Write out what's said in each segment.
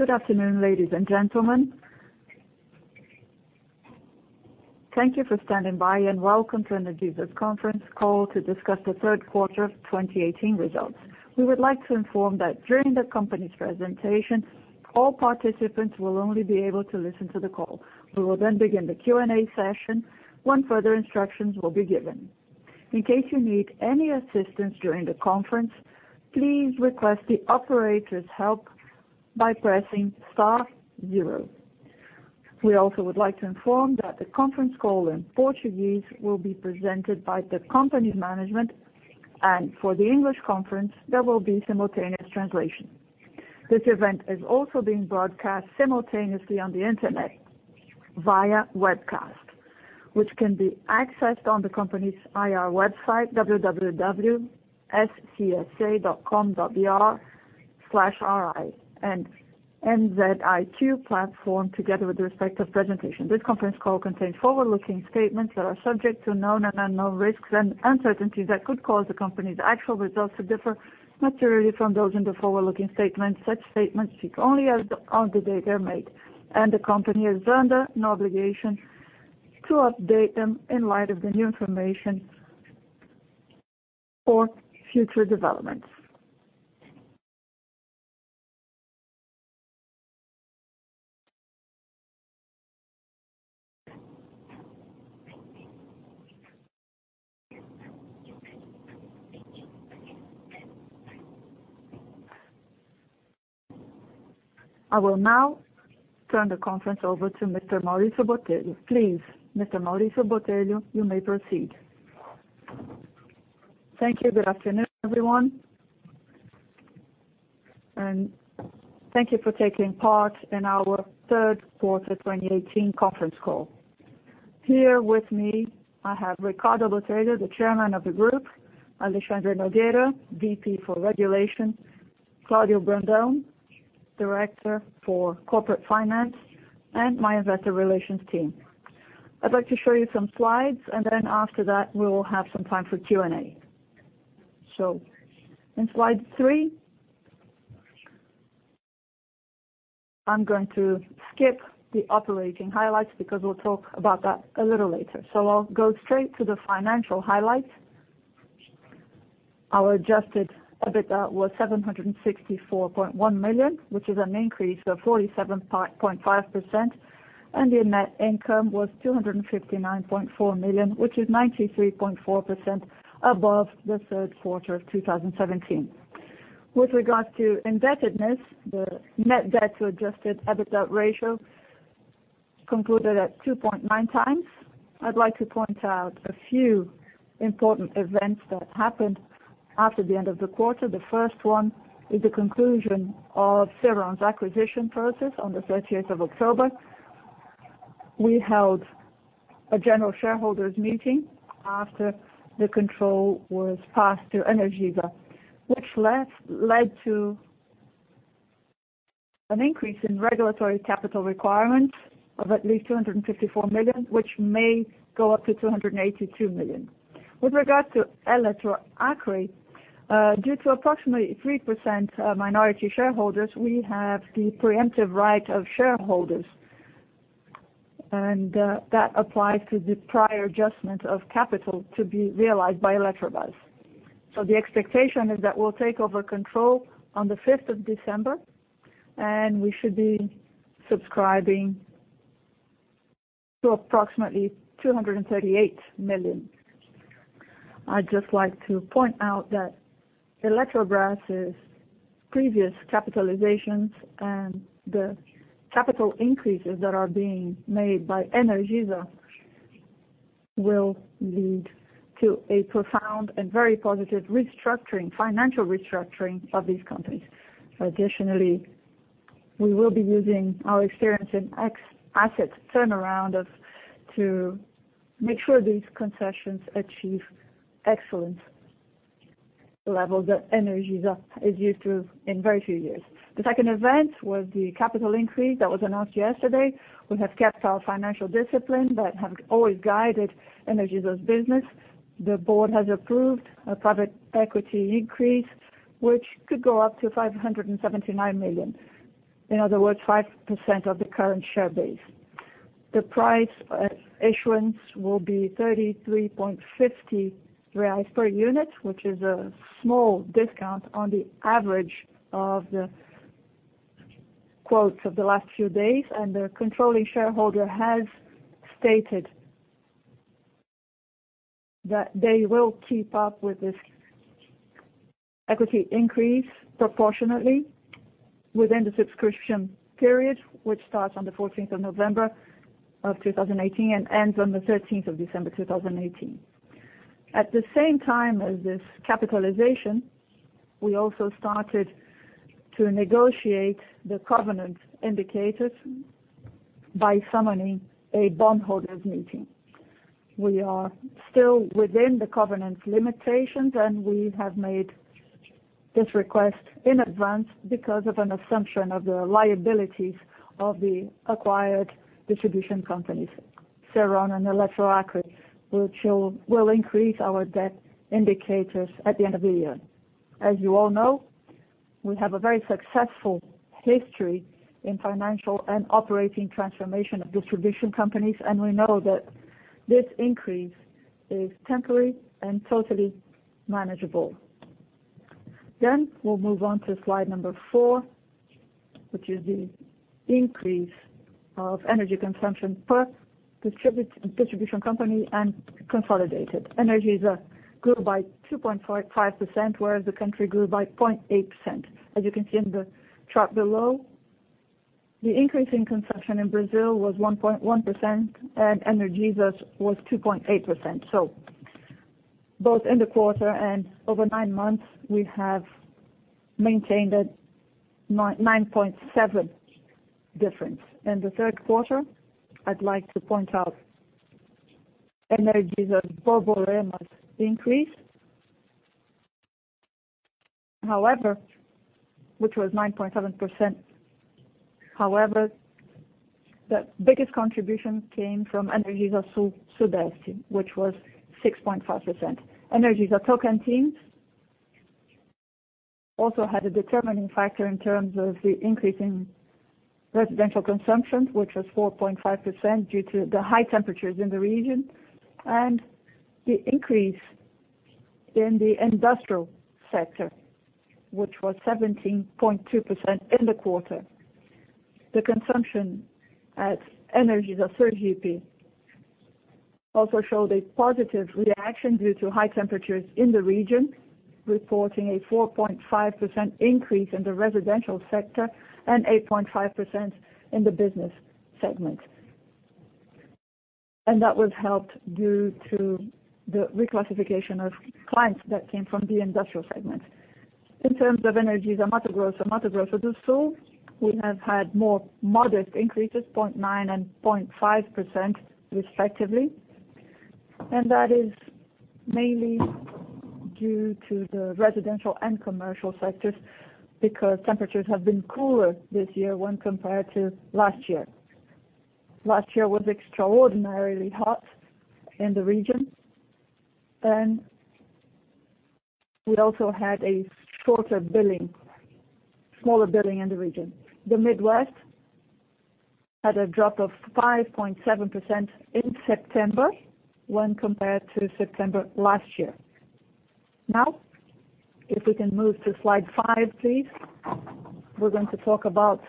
Good afternoon, ladies and gentlemen. Thank you for standing by, and welcome to Energisa's conference call to discuss the third quarter of 2018 results. We would like to inform that during the company's presentation, all participants will only be able to listen to the call. We will then begin the Q&A session when further instructions will be given. In case you need any assistance during the conference, please request the operator's help by pressing star 0. We also would like to inform that the conference call in Portuguese will be presented by the company's management, and for the English conference, there will be simultaneous translation. This event is also being broadcast simultaneously on the internet via webcast, which can be accessed on the company's IR website, ri.energisa.com.br, and MZiQ platform, together with the respective presentation. This conference call contains forward-looking statements that are subject to known and unknown risks and uncertainties that could cause the company's actual results to differ materially from those in the forward-looking statements. Such statements speak only as of the day they are made, and the company is under no obligation to update them in light of the new information or future developments. I will now turn the conference over to Mr. Maurício Botelho. Please, Mr. Maurício Botelho, you may proceed. Thank you. Good afternoon, everyone, and thank you for taking part in our third quarter 2018 conference call. Here with me, I have Ricardo Botelho, the chairman of the group, Alexandre Nogueira, VP for regulation, Cláudio Brandão, director for corporate finance, and my investor relations team. I'd like to show you some slides, and then after that, we will have some time for Q&A. In slide three, I am going to skip the operating highlights because we will talk about that a little later. I will go straight to the financial highlights. Our adjusted EBITDA was 764.1 million, which is an increase of 47.5%, and the net income was 259.4 million, which is 93.4% above the third quarter of 2017. With regard to indebtedness, the net debt to adjusted EBITDA ratio concluded at 2.9 times. I'd like to point out a few important events that happened after the end of the quarter. The first one is the conclusion of Ceron's acquisition process on the 30th of October. We held a general shareholders meeting after the control was passed to Energisa, which led to an increase in regulatory capital requirements of at least 254 million, which may go up to 282 million. With regard to Eletroacre, due to approximately 3% minority shareholders, we have the preemptive right of shareholders, and that applies to the prior adjustment of capital to be realized by Eletrobras. The expectation is that we will take over control on the 5th of December, and we should be subscribing to approximately 238 million. I'd just like to point out that Eletrobras' previous capitalizations and the capital increases that are being made by Energisa will lead to a profound and very positive restructuring, financial restructuring of these companies. Additionally, we will be using our experience in asset turnaround to make sure these concessions achieve excellent level that Energisa is used to in very few years. The second event was the capital increase that was announced yesterday. We have kept our financial discipline that has always guided Energisa's business. The board has approved a private equity increase, which could go up to 579 million. In other words, 5% of the current share base. The price issuance will be 33.50 reais per unit, which is a small discount on the average of the quotes of the last few days. The controlling shareholder has stated that they will keep up with this equity increase proportionately within the subscription period, which starts on the 14th of November 2018 and ends on the 13th of December 2018. At the same time as this capitalization, we also started to negotiate the covenant indicators by summoning a bondholders meeting. We are still within the covenant limitations, and we have made this request in advance because of an assumption of the liabilities of the acquired distribution companies, Ceron and Eletroacre, which will increase our debt indicators at the end of the year. As you all know, we have a very successful history in financial and operating transformation of distribution companies. We know that this increase is temporary and totally manageable. We'll move on to slide number four, which is the increase of energy consumption per distribution company and consolidated. Energisa grew by 2.5%, whereas the country grew by 0.8%. As you can see in the chart below, the increase in consumption in Brazil was 1.1%, and Energisa's was 2.8%. Both in the quarter and over nine months, we have maintained a 9.7 difference. In the third quarter, I'd like to point out Energisa Bauru-Marília's increase, which was 9.7%. However, the biggest contribution came from Energisa Sudeste, which was 6.5%. Energisa Tocantins also had a determining factor in terms of the increase in residential consumption, which was 4.5% due to the high temperatures in the region, and the increase in the industrial sector, which was 17.2% in the quarter. The consumption at Energisa Sergipe also showed a positive reaction due to high temperatures in the region, reporting a 4.5% increase in the residential sector and 8.5% in the business segment. That was helped due to the reclassification of clients that came from the industrial segment. In terms of Energisa Mato Grosso, Mato Grosso do Sul, we have had more modest increases, 0.9% and 0.5% respectively, and that is mainly due to the residential and commercial sectors, because temperatures have been cooler this year when compared to last year. Last year was extraordinarily hot in the region, and we also had a smaller billing in the region. The Midwest had a drop of 5.7% in September when compared to September last year. If we can move to slide five, please. We're going to talk about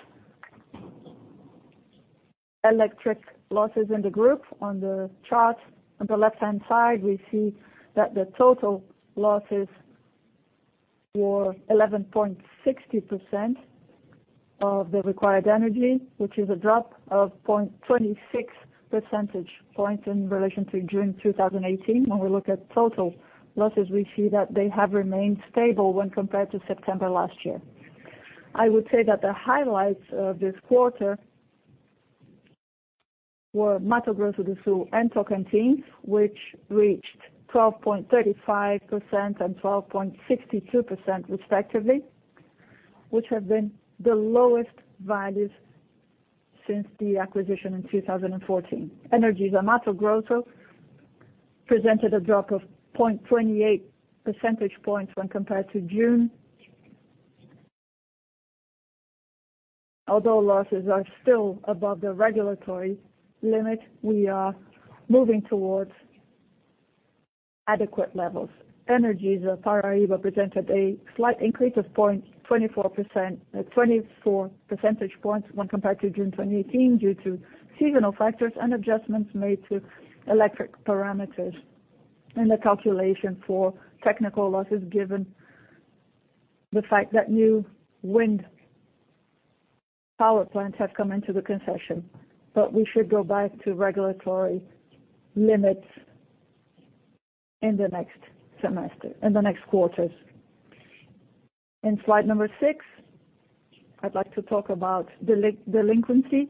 electric losses in the group. On the chart on the left-hand side, we see that the total losses were 11.60% of the required energy, which is a drop of 0.26 percentage points in relation to June 2018. When we look at total losses, we see that they have remained stable when compared to September last year. I would say that the highlights of this quarter were Mato Grosso do Sul and Tocantins, which reached 12.35% and 12.62% respectively, which have been the lowest values since the acquisition in 2014. Energisa Mato Grosso presented a drop of 0.28 percentage points when compared to June. Although losses are still above the regulatory limit, we are moving towards adequate levels. Energisa Paraíba presented a slight increase of 0.24 percentage points when compared to June 2018, due to seasonal factors and adjustments made to electric parameters in the calculation for technical losses, given the fact that new wind power plants have come into the concession. We should go back to regulatory limits in the next quarters. In slide number six, I'd like to talk about delinquency,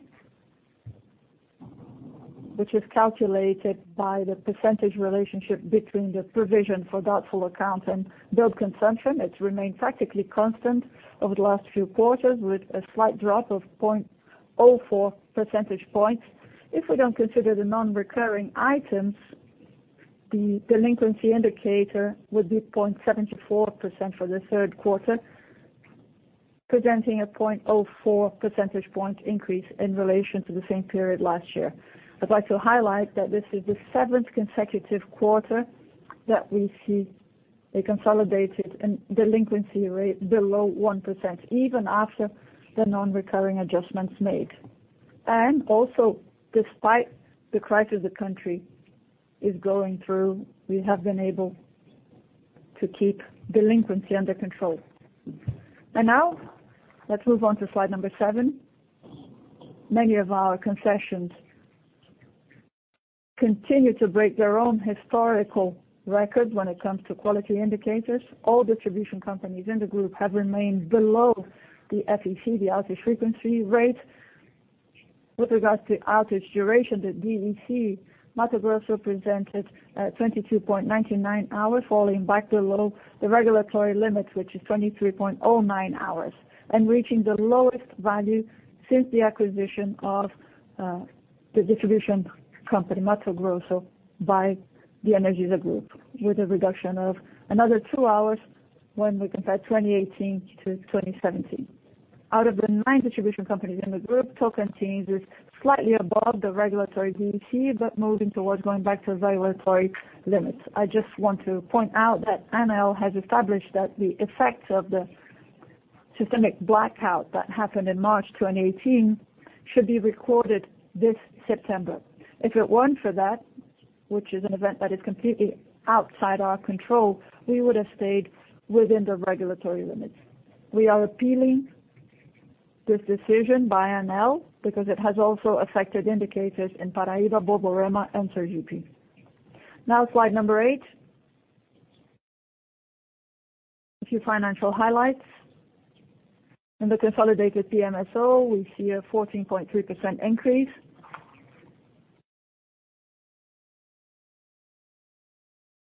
which is calculated by the percentage relationship between the provision for doubtful accounts and billed consumption. It's remained practically constant over the last few quarters, with a slight drop of 0.04 percentage points. If we don't consider the non-recurring items, the delinquency indicator would be 0.74% for the third quarter, presenting a 0.04 percentage point increase in relation to the same period last year. I'd like to highlight that this is the seventh consecutive quarter that we see a consolidated delinquency rate below 1%, even after the non-recurring adjustments made. Despite the crisis the country is going through, we have been able to keep delinquency under control. Let's move on to slide number seven. Many of our concessions continue to break their own historical records when it comes to quality indicators. All distribution companies in the group have remained below the FEC, the outage frequency rate. With regards to outage duration, the DEC, Mato Grosso presented 22.99 hours falling back below the regulatory limits, which is 23.09 hours, and reaching the lowest value since the acquisition of the distribution company, Mato Grosso, by the Energisa Group, with a reduction of another two hours when we compare 2018 to 2017. Out of the nine distribution companies in the group, Tocantins is slightly above the regulatory DEC, but moving towards going back to the regulatory limits. I just want to point out that ANEEL has established that the effects of the systemic blackout that happened in March 2018 should be recorded this September. If it weren't for that, which is an event that is completely outside our control, we would have stayed within the regulatory limits. We are appealing this decision by ANEEL because it has also affected indicators in Paraíba, Borborema, and Sergipe. Slide number eight. A few financial highlights. In the consolidated PMSO, we see a 14.3% increase.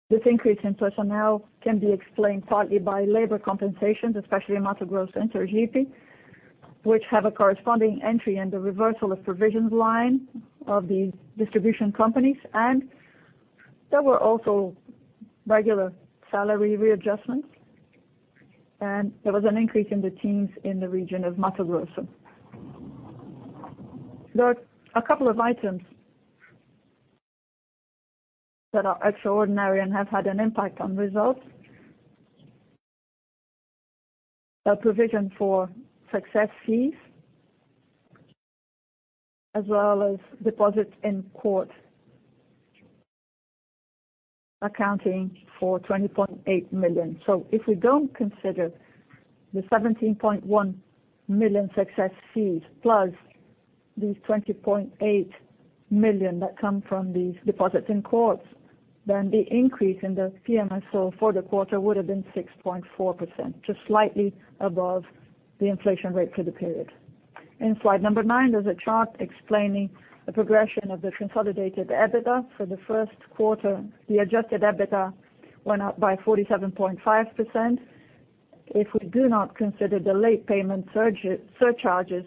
This increase in personnel can be explained partly by labor compensations, especially in Mato Grosso and Sergipe, which have a corresponding entry in the reversal of provisions line of the distribution companies, and there were also regular salary readjustments, and there was an increase in the teams in the region of Mato Grosso. There are a couple of items that are extraordinary and have had an impact on results. A provision for success fees, as well as deposits in court accounting for 20.8 million. If we don't consider the 17.1 million success fees plus these 20.8 million that come from these deposits in courts, then the increase in the PMSO for the quarter would have been 6.4%, just slightly above the inflation rate for the period. In slide number nine, there's a chart explaining the progression of the consolidated EBITDA for the first quarter. The adjusted EBITDA went up by 47.5%. If we do not consider the late payment surcharges,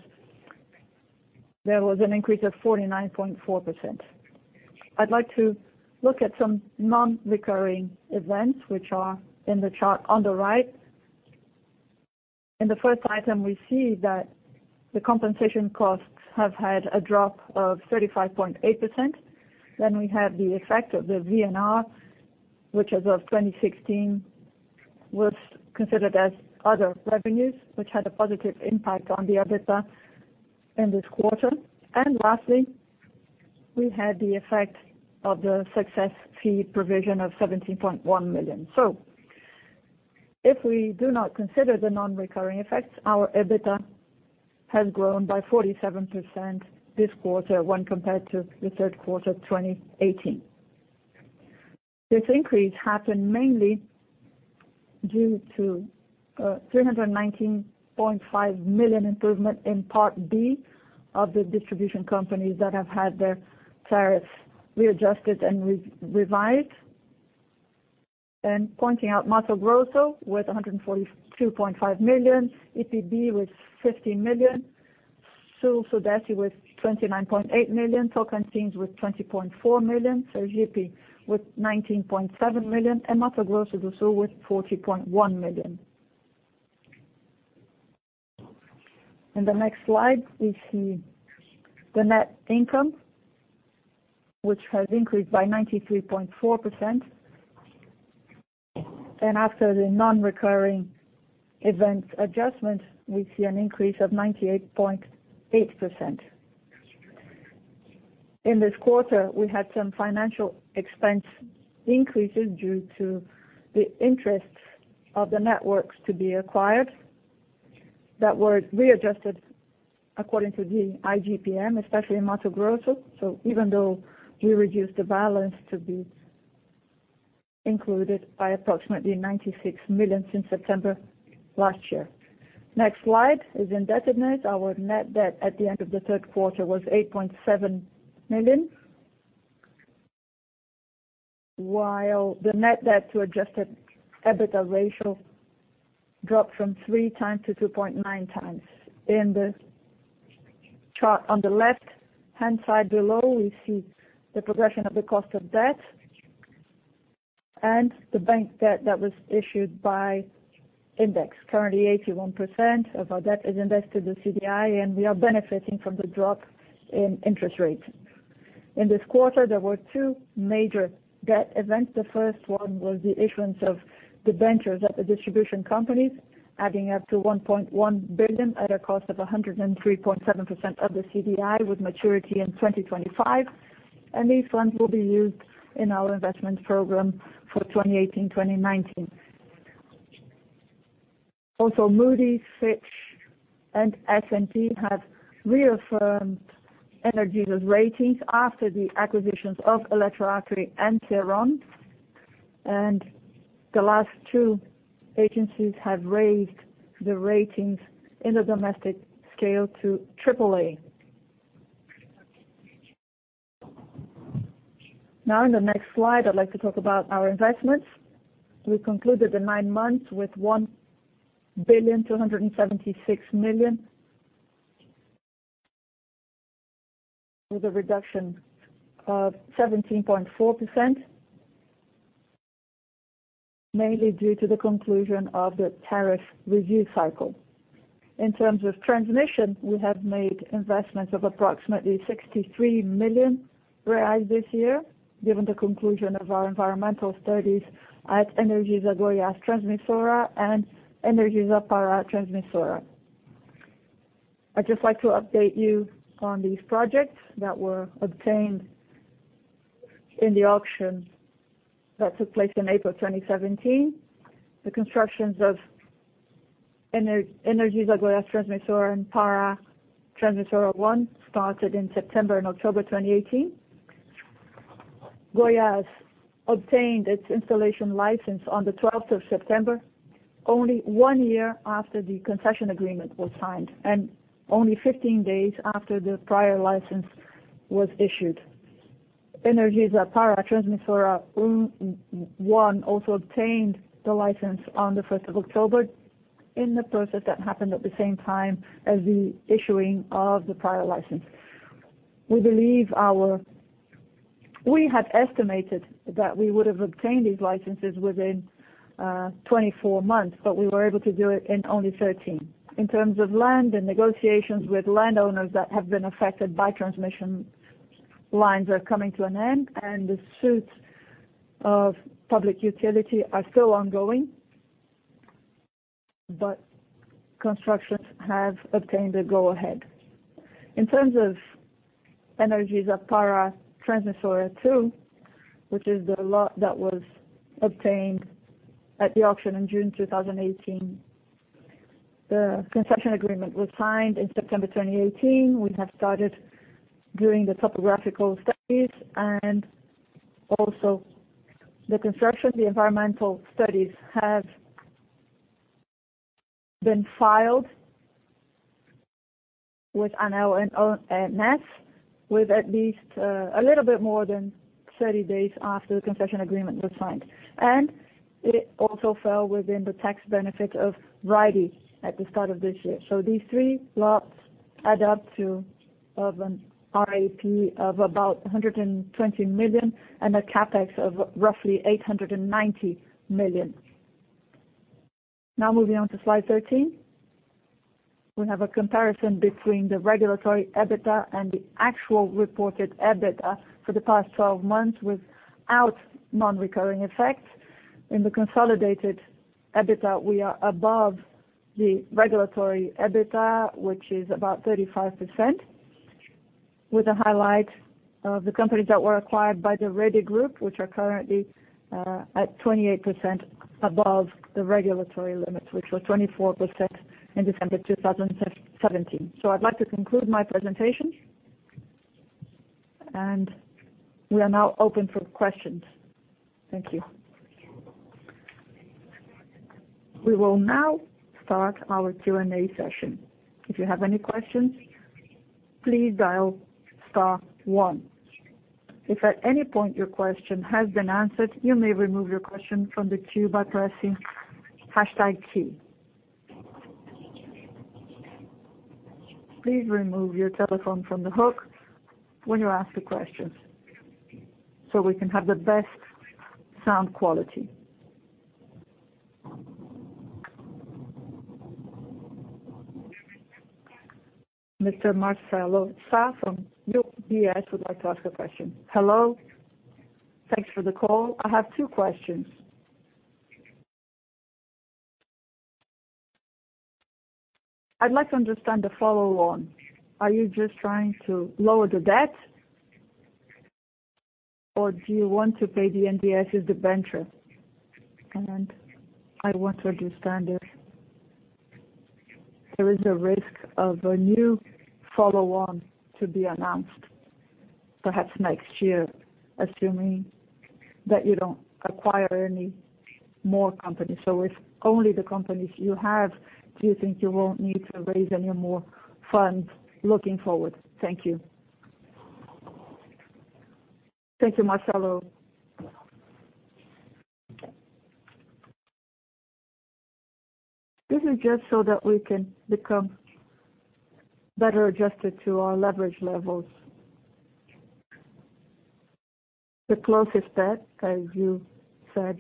there was an increase of 49.4%. I'd like to look at some non-recurring events, which are in the chart on the right. In the first item, we see that the compensation costs have had a drop of 35.8%. Then we have the effect of the VNR, which as of 2016 was considered as other revenues, which had a positive impact on the EBITDA in this quarter. Lastly, we had the effect of the success fee provision of 17.1 million. If we do not consider the non-recurring effects, our EBITDA has grown by 47% this quarter when compared to the third quarter 2018. This increase happened mainly due to 319.5 million improvement in part B of the distribution companies that have had their tariffs readjusted and revised. Pointing out Mato Grosso with 142.2 million, EPB with 50 million, Sul Sudeste with 29.8 million, Tocantins with 20.4 million, Sergipe with 19.7 million, and Mato Grosso do Sul with 40.1 million. In the next slide, we see the net income, which has increased by 93.4%. After the non-recurring events adjustment, we see an increase of 98.8%. In this quarter, we had some financial expense increases due to the interest of the networks to be acquired that were readjusted according to the IGPM, especially in Mato Grosso. Even though we reduced the balance to be included by approximately 96 million since September last year. The next slide is indebtedness. Our net debt at the end of the third quarter was 8.7 million, while the net debt to adjusted EBITDA ratio dropped from three times to 2.9 times. In the chart on the left-hand side below, we see the progression of the cost of debt and the bank debt that was issued by index. Currently, 81% of our debt is indexed to the CDI, and we are benefiting from the drop in interest rates. In this quarter, there were two major debt events. The first one was the issuance of debentures at the distribution companies, adding up to 1.1 billion at a cost of 103.7% of the CDI, with maturity in 2025. These funds will be used in our investment program for 2018-2019. Also, Moody's, Fitch, and S&P have reaffirmed Energisa's ratings after the acquisitions of Eletroacre and Ceron. And the last two agencies have raised the ratings in the domestic scale to AAA. In the next slide, I'd like to talk about our investments. We concluded the nine months with 1 billion 276 million, with a reduction of 17.4%, mainly due to the conclusion of the tariff review cycle. In terms of transmission, we have made investments of approximately 63 million reais this year, given the conclusion of our environmental studies at Energisa Goiás Transmissora and Energisa Pará Transmissora. I'd just like to update you on these projects that were obtained in the auction that took place in April 2017. The constructions of Energisa Goiás Transmissora and Pará Transmissora one started in September and October 2018. Goiás obtained its installation license on the 12th of September, only one year after the concession agreement was signed, and only 15 days after the prior license was issued. Energisa Pará Transmissora one also obtained the license on the 1st of October in the process that happened at the same time as the issuing of the prior license. We had estimated that we would have obtained these licenses within 24 months, we were able to do it in only 13. In terms of land and negotiations with landowners that have been affected by transmission lines are coming to an end, the suits of public utility are still ongoing, constructions have obtained the go-ahead. In terms of Energisa Pará Transmissora two, which is the lot that was obtained at the auction in June 2018, the concession agreement was signed in September 2018. We have started doing the topographical studies and also the construction. The environmental studies have been filed with ANEEL and ONS, with at least a little bit more than 30 days after the concession agreement was signed. It also fell within the tax benefit of REIDI at the start of this year. These three plots add up to have a RAP of about 120 million and a CapEx of roughly 890 million. Moving on to slide 13. We have a comparison between the regulatory EBITDA and the actual reported EBITDA for the past 12 months without non-recurring effects. In the consolidated EBITDA, we are above the regulatory EBITDA, which is about 35%, with a highlight of the companies that were acquired by the Rede Group, which are currently at 28% above the regulatory limits, which were 24% in December 2017. I'd like to conclude my presentation, we are now open for questions. Thank you. We will now start our Q&A session. If you have any questions, please dial star one. If at any point your question has been answered, you may remove your question from the queue by pressing hashtag two. Please remove your telephone from the hook when you ask the questions so we can have the best sound quality. Mr. Marcelo Sá from UBS would like to ask a question. Hello. Thanks for the call. I have two questions. I'd like to understand the follow-on. Are you just trying to lower the debt, or do you want to pay BNDES' debenture? I want to understand if there is a risk of a new follow-on to be announced, perhaps next year, assuming that you don't acquire any more companies. If only the companies you have, do you think you won't need to raise any more funds looking forward? Thank you. Thank you, Marcelo. This is just so that we can become better adjusted to our leverage levels. The closest bet, as you said,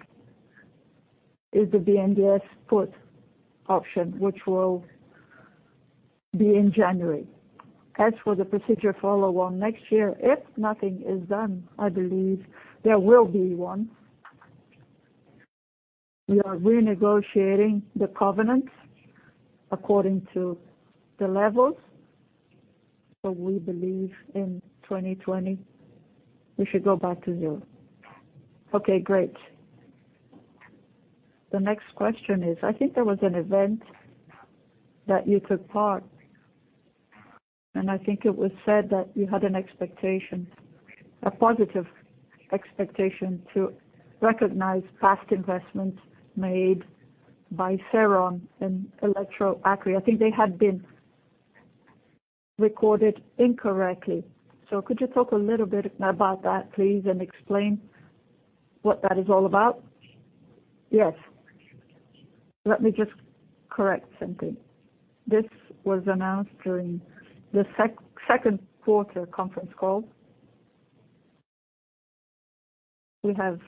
is the BNDES put option, which will be in January. As for the procedure follow-on next year, if nothing is done, I believe there will be one. We are renegotiating the covenants according to the levels, we believe in 2020 we should go back to zero. Okay, great. The next question is: I think there was an event that you took part. I think it was said that you had an expectation, a positive expectation to recognize past investments made by Ceron and Eletroacre. I think they had been recorded incorrectly. Could you talk a little bit about that, please, explain what that is all about? Yes. Let me just correct something. This was announced during the second quarter conference call. We have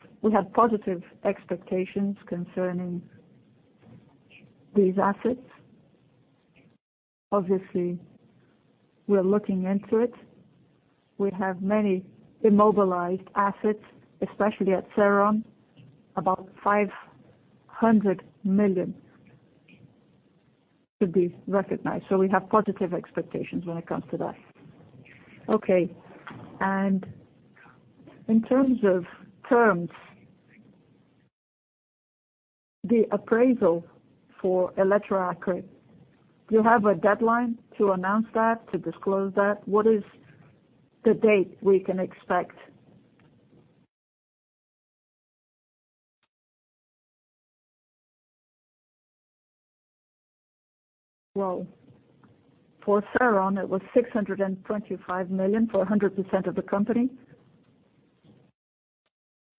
positive expectations concerning these assets. Obviously, we are looking into it. We have many immobilized assets, especially at Ceron, about 500 million to be recognized. We have positive expectations when it comes to that. Okay. In terms of terms, the appraisal for Eletroacre, do you have a deadline to announce that, to disclose that? What is the date we can expect? Well, for Ceron, it was 625 million for 100% of the company.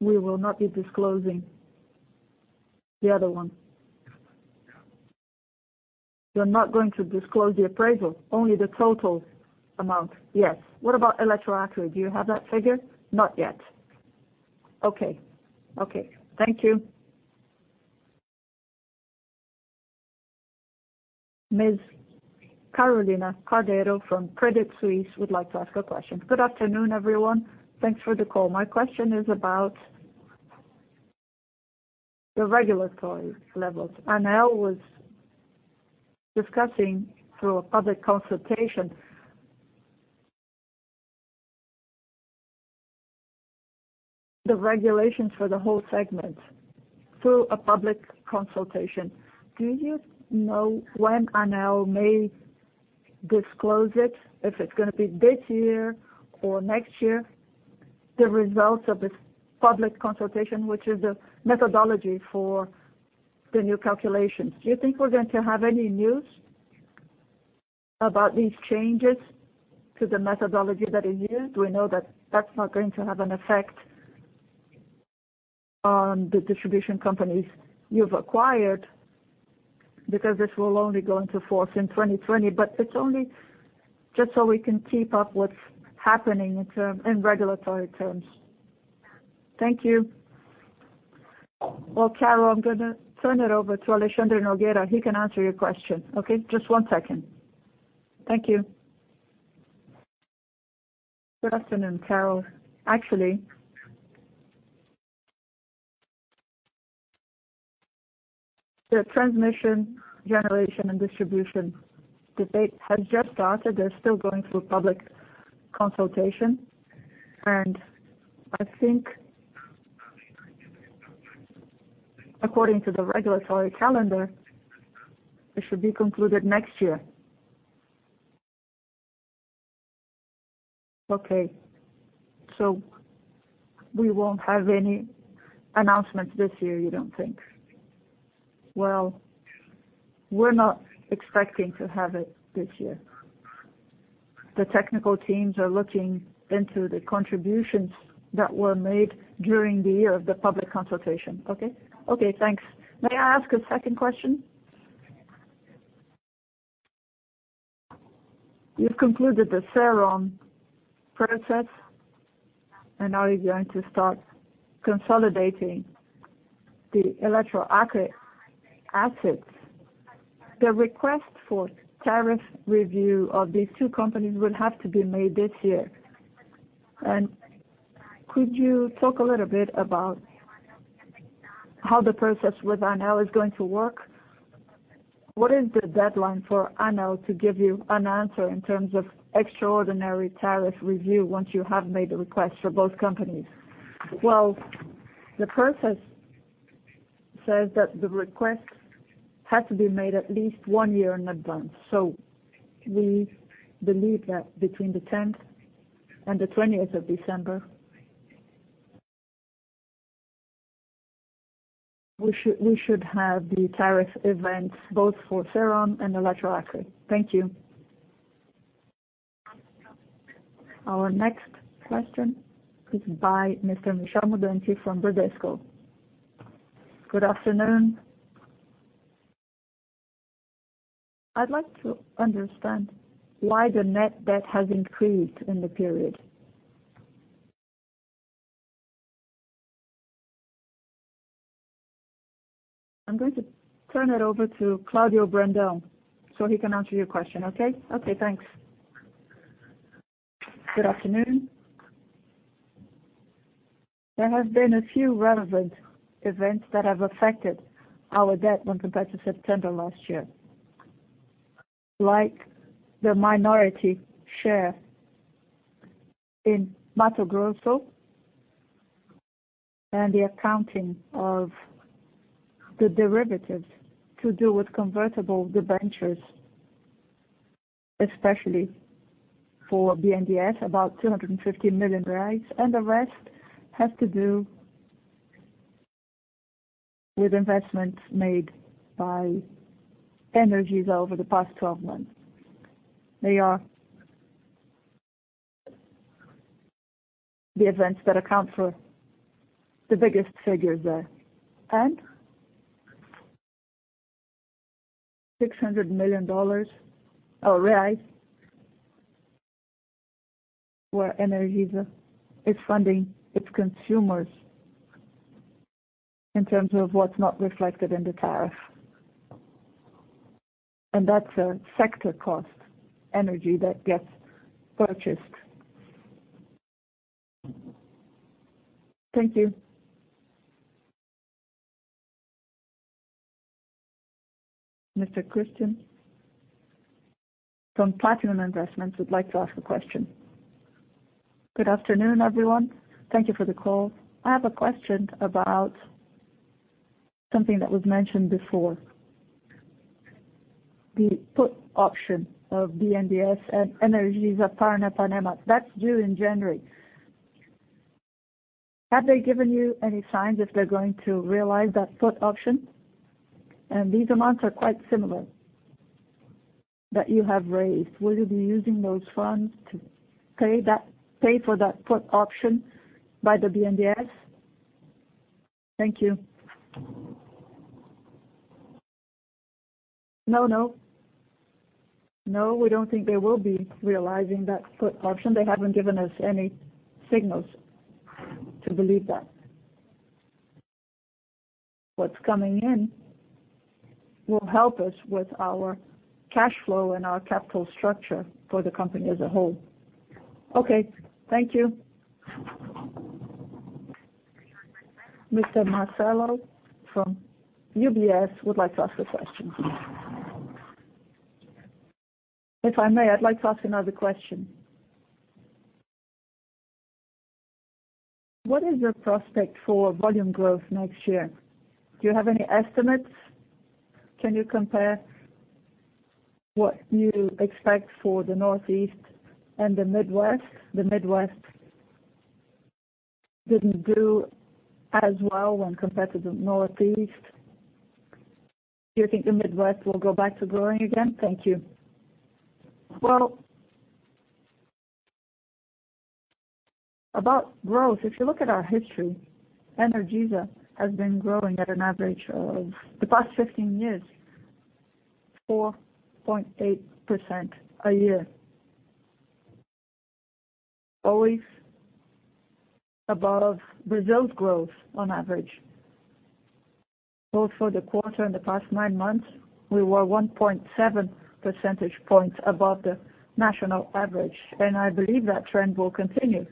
We will not be disclosing the other one. You are not going to disclose the appraisal, only the total amount? Yes. What about Eletroacre? Do you have that figure? Not yet. Okay. Thank you. Ms. Carolina Carneiro from Credit Suisse would like to ask a question. Good afternoon, everyone. Thanks for the call. My question is about the regulatory levels. ANEEL was discussing through a public consultation the regulations for the whole segment through a public consultation. Do you know when ANEEL may disclose it, if it is going to be this year or next year, the results of this public consultation, which is the methodology for the new calculations? Do you think we are going to have any news about these changes to the methodology that is used? We know that that is not going to have an effect on the distribution companies you have acquired, because this will only go into force in 2020. It is only just so we can keep up what is happening in regulatory terms. Thank you. Well, Caro, I am going to turn it over to Alexandre Nogueira. He can answer your question, okay? Just one second. Thank you. Good afternoon, Caro. Actually, the transmission generation and distribution debate has just started. They are still going through public consultation, and I think according to the regulatory calendar, it should be concluded next year. Okay. We will not have any announcements this year, you do not think? Well, we are not expecting to have it this year. The technical teams are looking into the contributions that were made during the year of the public consultation, okay? Okay, thanks. May I ask a second question? You have concluded the Ceron process, and now you are going to start consolidating the Eletroacre assets. The request for tariff review of these two companies will have to be made this year. Could you talk a little bit about how the process with ANEEL is going to work? What is the deadline for ANEEL to give you an answer in terms of extraordinary tariff review once you have made the request for both companies? Well, the process says that the request had to be made at least 1 year in advance. We believe that between the 10th and the 20th of December, we should have the tariff events both for Ceron and Eletroacre. Thank you. Our next question is by Mr. Michel Mute from Bradesco. Good afternoon. I would like to understand why the net debt has increased in the period. I am going to turn it over to Claudio Brandão so he can answer your question, okay? Okay, thanks. Good afternoon. There have been a few relevant events that have affected our debt when compared to September last year, like the minority share in Mato Grosso. The accounting of the derivatives to do with convertible debentures, especially for BNDES, about 250 million. The rest has to do with investments made by Energisa over the past 12 months. They are the events that account for the biggest figures there. 600 million of reais, where Energisa is funding its consumers in terms of what's not reflected in the tariff. That's a sector cost energy that gets purchased. Thank you. Mr. Christian from Platina Investimentos would like to ask a question. Good afternoon, everyone. Thank you for the call. I have a question about something that was mentioned before. The put option of BNDES and Energisa Paranapanema, that's due in January. Have they given you any signs if they're going to realize that put option? These amounts are quite similar, that you have raised. Will you be using those funds to pay for that put option by the BNDES? Thank you. No. We don't think they will be realizing that put option. They haven't given us any signals to believe that. What's coming in will help us with our cash flow and our capital structure for the company as a whole. Okay. Thank you. Mr. Marcelo from UBS would like to ask a question. If I may, I'd like to ask another question. What is your prospect for volume growth next year? Do you have any estimates? Can you compare what you expect for the Northeast and the Midwest? The Midwest didn't do as well when compared to the Northeast. Do you think the Midwest will go back to growing again? Thank you. Well, about growth, if you look at our history, Energisa has been growing at an average of, the past 15 years, 4.8% a year. Always above Brazil's growth on average. Both for the quarter and the past 9 months, we were 1.7 percentage points above the national average. I believe that trend will continue.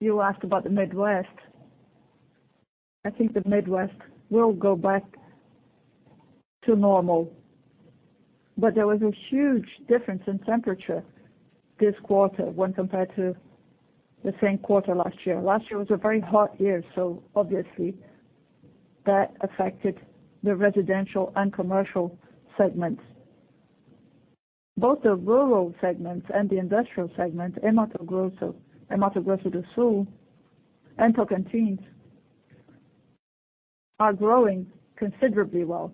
You asked about the Midwest. I think the Midwest will go back to normal. There was a huge difference in temperature this quarter when compared to the same quarter last year. Last year was a very hot year, so obviously that affected the residential and commercial segments. Both the rural segments and the industrial segments, Mato Grosso do Sul and Tocantins, are growing considerably well.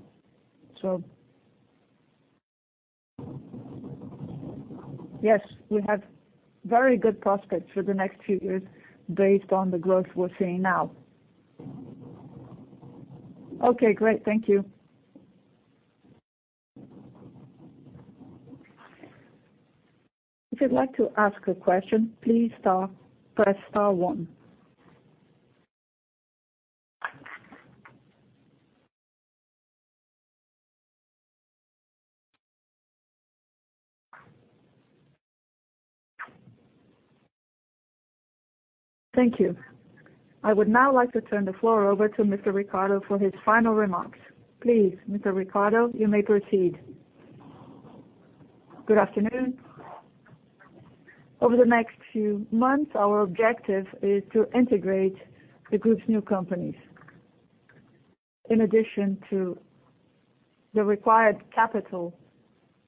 Yes, we have very good prospects for the next few years based on the growth we're seeing now. Okay, great. Thank you. If you'd like to ask a question, please press star one. Thank you. I would now like to turn the floor over to Mr. Ricardo for his final remarks. Please, Mr. Ricardo, you may proceed. Good afternoon. Over the next few months, our objective is to integrate the group's new companies. In addition to the required capital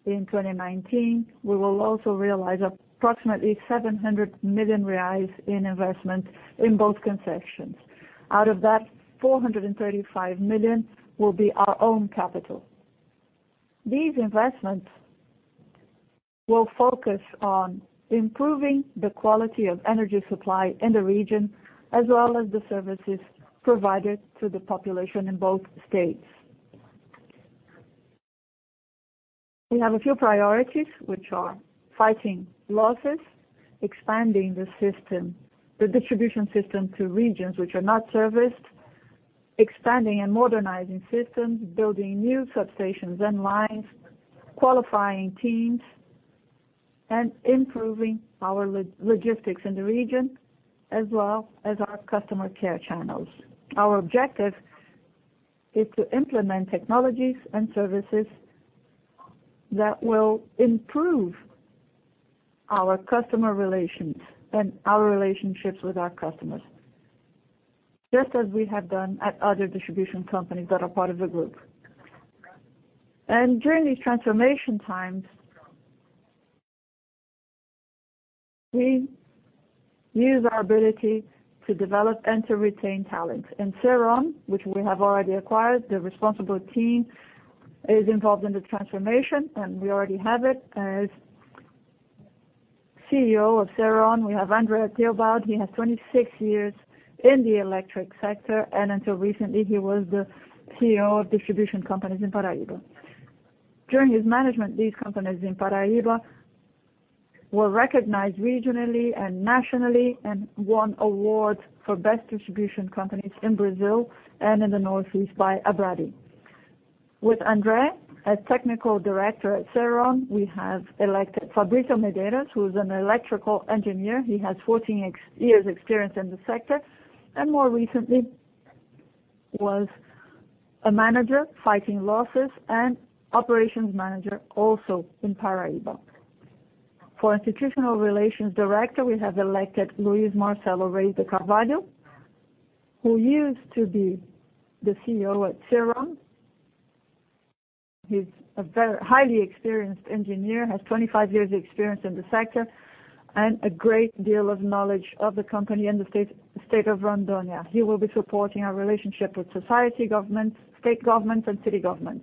in 2019, we will also realize approximately 700 million reais in investment in both concessions. Out of that, 435 million will be our own capital. These investments will focus on improving the quality of energy supply in the region, as well as the services provided to the population in both states. We have a few priorities, which are fighting losses, expanding the distribution system to regions which are not serviced, expanding and modernizing systems, building new substations and lines, qualifying teams, and improving our logistics in the region, as well as our customer care channels. Our objective is to implement technologies and services that will improve our customer relations and our relationships with our customers, just as we have done at other distribution companies that are part of the group. During these transformation times, we use our ability to develop and to retain talent. Ceron, which we have already acquired, the responsible team is involved in the transformation, and we already have it. As CEO of CERON, we have André Theobald. He has 26 years in the electric sector, and until recently, he was the CEO of distribution companies in Paraíba. During his management, these companies in Paraíba were recognized regionally and nationally and won awards for best distribution companies in Brazil and in the Northeast by Abradee. With André, as Technical Director at CERON, we have elected Fabrício Medeiros, who is an electrical engineer. He has 14 years experience in the sector, and more recently was a manager fighting losses and operations manager also in Paraíba. For Institutional Relations Director, we have elected Luiz Marcelo Reis de Carvalho, who used to be the CEO at CERON. He's a highly experienced engineer, has 25 years of experience in the sector, and a great deal of knowledge of the company and the state of Rondônia. He will be supporting our relationship with society government, state government, and city government.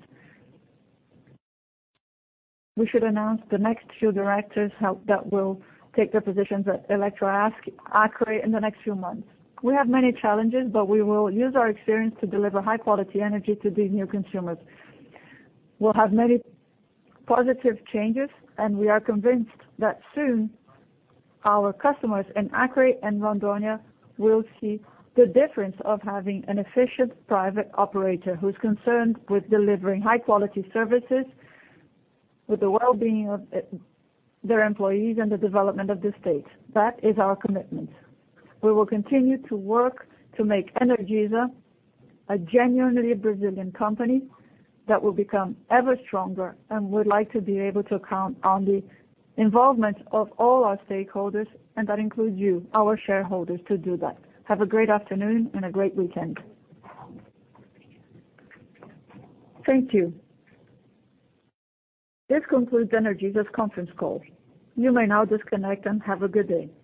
We should announce the next few directors that will take their positions at Eletroacre in the next few months. We have many challenges, but we will use our experience to deliver high-quality energy to these new consumers. We'll have many positive changes, and we are convinced that soon our customers in Acre and Rondônia will see the difference of having an efficient private operator who's concerned with delivering high-quality services, with the well-being of their employees, and the development of the state. That is our commitment. We will continue to work to make Energisa a genuinely Brazilian company that will become ever stronger, and would like to be able to count on the involvement of all our stakeholders, and that includes you, our shareholders, to do that. Have a great afternoon and a great weekend. Thank you. This concludes Energisa's conference call. You may now disconnect and have a good day.